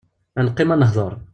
Ad neqqim ad nehder!